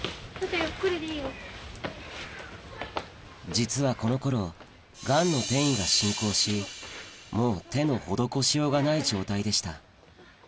実はこの頃がんの転移が進行しもう手の施しようがない状態でした